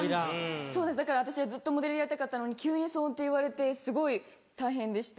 そうですだから私はずっとモデルやりたかったのに急にそうやって言われてすごい大変でした。